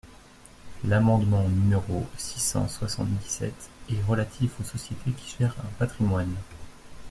L’amendement numéro six cent soixante-dix-sept est relatif aux sociétés qui gèrent un patrimoine.